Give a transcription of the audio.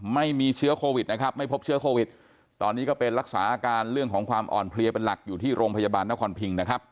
ไม่มีเชื้อโควิดนะครับไม่พบเชื้อโควิดตอนนี้ก็เป็นรักษาอาการเรื่องของความอ่อนเพลียเป็นหลักอยู่ที่โรงพยาบาลนครพิงนะครับ